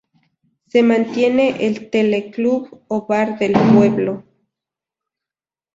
Se mantiene el tele-club o bar del pueblo.